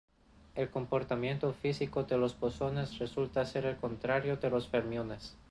El comportamiento físico de los bosones resulta ser el contrario de los fermiones.